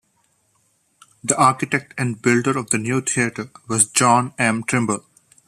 The architect and builder of the new theatre was John M. Trimble.